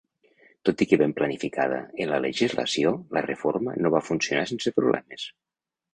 Tot i que ben planificada en la legislació, la reforma no va funcionar sense problemes.